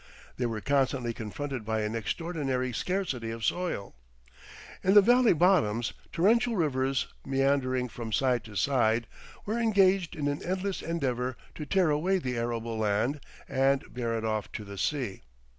They were constantly confronted by an extraordinary scarcity of soil. In the valley bottoms torrential rivers, meandering from side to side, were engaged in an endless endeavor to tear away the arable land and bear it off to the sea.